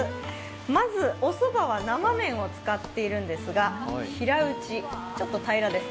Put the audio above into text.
まず、おそばは生麺を使っているんですが平打ち、ちょっと平らです。